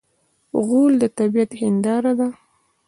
غول د طبعیت هنداره ده.